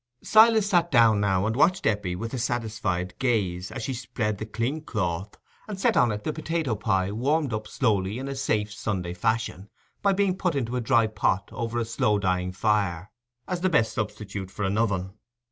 Silas sat down now and watched Eppie with a satisfied gaze as she spread the clean cloth, and set on it the potato pie, warmed up slowly in a safe Sunday fashion, by being put into a dry pot over a slowly dying fire, as the best substitute for an oven.